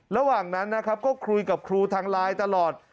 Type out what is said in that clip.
ระหว่างนั้นก็คุยกับครูทางลายตลอด